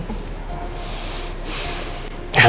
tolong bawa dia ke rumah sakit